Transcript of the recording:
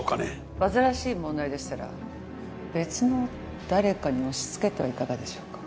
煩わしい問題でしたら別の誰かに押し付けてはいかがでしょうか？